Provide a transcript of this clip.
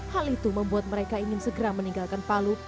hal itu membuat mereka ingin segera meninggalkan palu